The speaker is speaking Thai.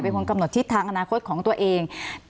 เป็นคนกำหนดทิศทางอนาคตของตัวเอง